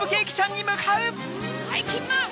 ばいきんまん！